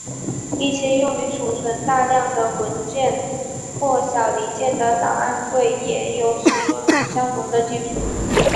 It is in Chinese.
一些用于储存大量的文件或小零件的档案柜也有使用相同的技术。